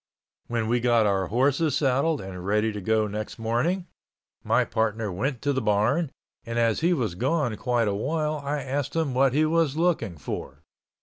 When we got our horses saddled and ready to go next morning, my partner went to the barn and as he was gone quite a while I asked him what he was looking for.